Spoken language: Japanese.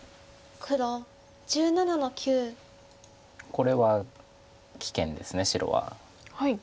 これは危険です白は。